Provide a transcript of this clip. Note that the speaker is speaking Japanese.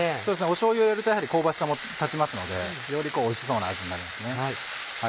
しょうゆを入れるとやはり香ばしさも立ちますのでよりおいしそうな味になりますね。